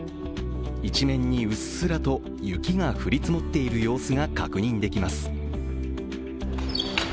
一面にうっすらと雪が降り積もっている様子が確認できます。